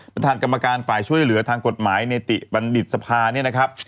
ประธานกรรมการฝ่ายช่วยเหลือทางกฎหมายในติปัณฑิตสภา